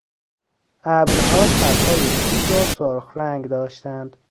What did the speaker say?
ابرها سرهای تیز و سرخ رنگ داشتند.